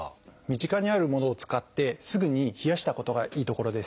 身近にあるものを使ってすぐに冷やしたことがいいところです。